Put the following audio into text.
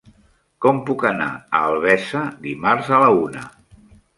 Com puc anar a Albesa dimarts a la una?